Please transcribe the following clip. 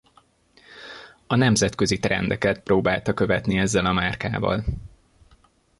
A nemzetközi trendeket próbálta követni ezzel a márkával.